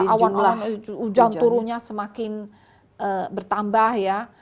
awan awan ujung turunya semakin bertambah ya